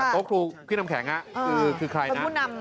โต๊ะครูพี่น้ำแข็งคือใครนะ